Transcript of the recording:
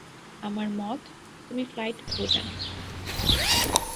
আমার মত, তুমি ফ্লাইট ধরবে না।